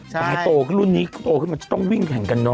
ตายโตขึ้นรุ่นนี้โตขึ้นมาจะต้องวิ่งแข่งกันเนอ